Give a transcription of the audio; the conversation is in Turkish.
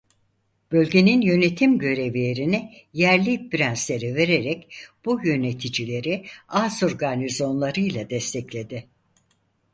Bölgenin yönetim görevlerini yerli prenslere vererek bu yöneticileri Asur garnizonlarıyla destekledi.